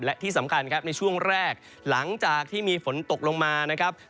และที่สำคัญครับในช่วงแรกหลังจากที่มีฝนตกลงมานะครับ